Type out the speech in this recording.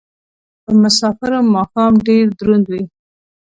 په مسافرو ماښام ډېر دروند وي